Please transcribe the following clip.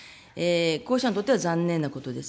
候補者にとっては残念なことです。